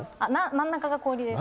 真ん中が氷です。